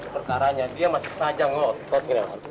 perkaranya dia masih saja ngotot